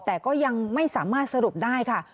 แต่ก็ยังไม่สามารถสรุปได้ค่ะ